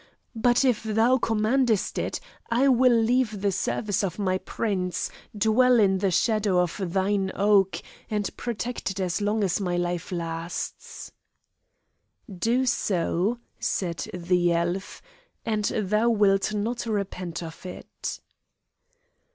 But if thou commandest it I will leave the service of my prince, dwell in the shadow of thine oak, and protect it as long as my life lasts." "Do so," said the elf, "and thou wilt not repent of it."